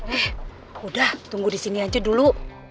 eh udah tunggu disini aja dulu